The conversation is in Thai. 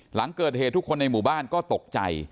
หลังเกิดเหตุทุกคนในหมู่บ้านก็ตกใจ